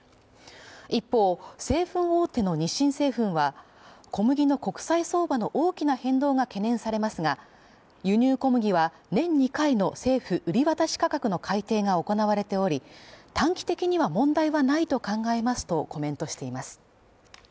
一方、製粉大手の日清製粉は小麦の国際相場の大きな変動が懸念されますが輸入小麦は年２回の政府売渡価格の改定が行われており短期的には問題はないと考えますとコメントしています。